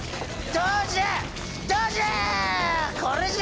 どうじゃ！